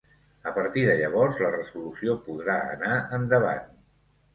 A partir de llavors, la resolució podrà anar endavant.